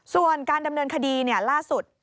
ส่วนการดำเนินคดีล่าสุด